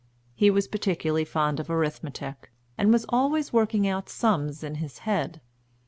He was particularly fond of arithmetic, and was always working out sums in his head.